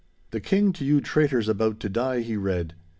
'The King to you two traitors about to die,' he read.